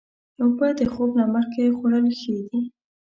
اوبه د خوب نه مخکې خوړل ښې دي.